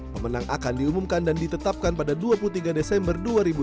pemenang akan diumumkan dan ditetapkan pada dua puluh tiga desember dua ribu dua puluh